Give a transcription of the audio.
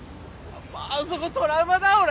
あそごトラウマだ俺！